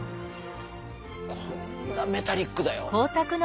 こんなメタリックだよ。